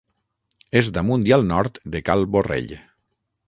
És damunt i al nord de Cal Borrell.